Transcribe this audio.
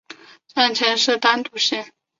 站前设单渡线。